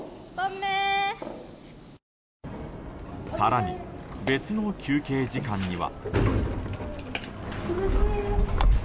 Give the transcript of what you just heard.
更に、別の休憩時間には。